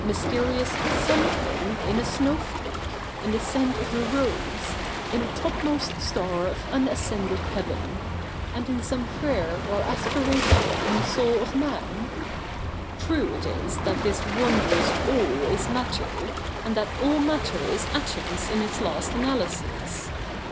hi mysterious Something in a snow flake, in the scent of a rose, in the " topmost star of unascended heaven," and in some prayer or aspiration in the soul of man ? True it is that this v;ondrous All is Matter, and that all matter is atoms in its last analysis.